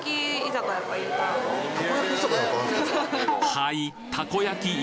はい？